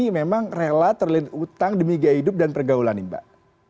ini memang rela terlilit utang demi gaya hidup dan pergaulan mbak